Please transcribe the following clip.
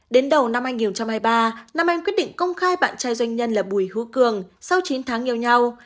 đến đầu năm hai nghìn hai mươi ba nam anh quyết định công khai bạn trai doanh nhân là bùi hữu cường sau chín tháng yêu nhau